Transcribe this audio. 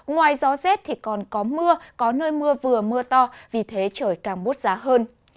ngoài gió rét thì còn có mưa có nơi mưa vừa mưa to vì thế trời càng bút giá hơn